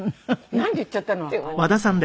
なんで言っちゃったのあんな事。